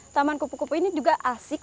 taman kupu kupu ini juga asik